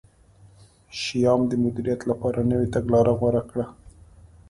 شیام د مدیریت لپاره نوې تګلاره غوره کړه.